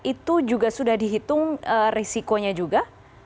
itu juga sudah dihitung risikonya juga